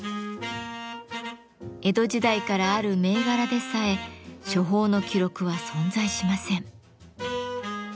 江戸時代からある銘柄でさえ処方の記録は存在しません。